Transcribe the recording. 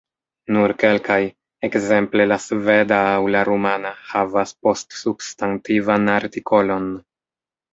Nur kelkaj, ekzemple la sveda aŭ la rumana havas postsubstantivan artikolon.